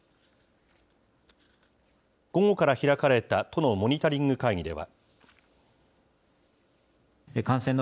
午後から開かれた都のモニタリング会議では。